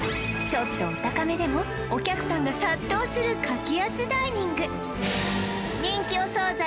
ちょっとお高めでもお客さんが殺到する柿安ダイニング人気お惣菜